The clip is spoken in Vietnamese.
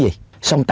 xong tạm biệt là